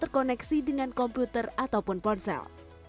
komputer ataupun ponsel